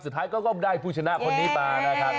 สุดท้ายก็ได้ผู้ชนะคนนี้มานะครับ